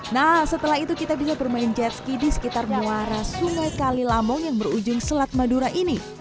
nah setelah itu kita bisa bermain jet ski di sekitar muara sungai kalilamong yang berujung selat madura ini